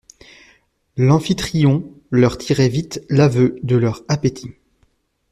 L'amphitryon leur tirait vite l'aveu de leur appétit.